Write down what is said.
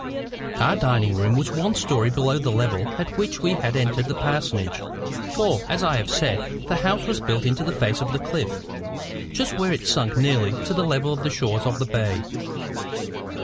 Our dining room was one story below the level at which we had entered the parsonage; for, as I have said, the house was built into the face of the cliff, just where it sunk nearly to the level of the shores of the bay.